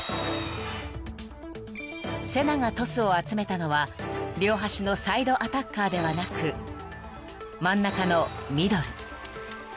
［セナがトスを集めたのは両端のサイドアタッカーではなく真ん中のミドル］